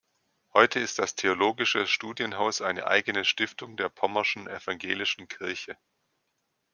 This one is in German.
Heute ist das Theologische Studienhaus eine eigene Stiftung der Pommerschen Evangelischen Kirche.